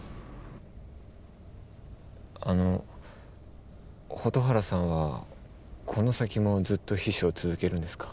あの蛍原さんはこの先もずっと秘書続けるんですか？